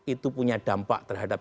itu punya dampak terhadap